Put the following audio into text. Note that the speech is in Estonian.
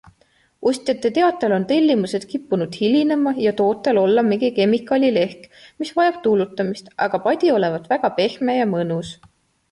Ostjate teatel on tellimused kippunud hilinema ja tootel olla mingi kemikaali lehk, mis vajab tuulutamist - aga padi olevat väga pehme ja mõnus.